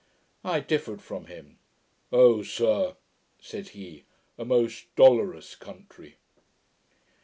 I differed from him, 'O, sir,' said he, 'a most dolorous country!'